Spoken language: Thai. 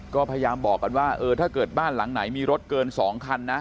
ก็พยายามบอกกันว่าเออถ้าเกิดบ้านหลังไหนมีรถเกิน๒คันนะ